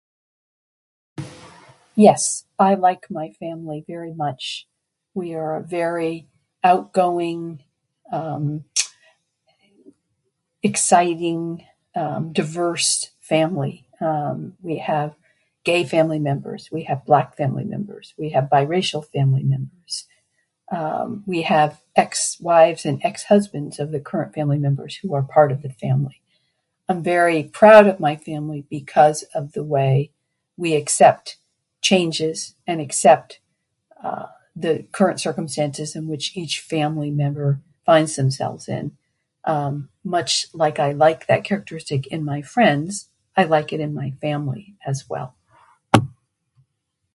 Yes, I like my family very much. We are a very outgoing, um, exciting, um, diverse family. Um, we have gay family members, we have black family members, we have biracial family members. Um, we have ex-wives and ex-husbands of the current family members who are part of the family. I'm very proud of my family because of the way we accept changes and accept, uh, the current circumstances in which each family member finds themselves in. Um, much like I like that characteristic in my friends, I like it in my family as well.